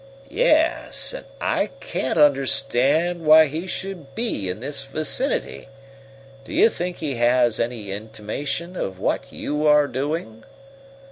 "Yes, and I can't understand why he should be in this vicinity. Do you think he has had any intimation of what you are doing?"